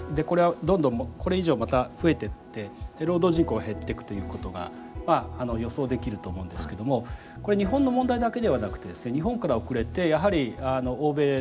これはどんどんこれ以上また増えてってで労働人口が減ってくということが予想できると思うんですけどもこれ日本の問題だけではなくてですね日本から遅れてやはり欧米